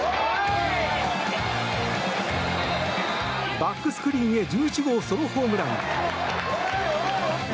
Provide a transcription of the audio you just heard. バックスクリーンへ１１号ソロホームラン。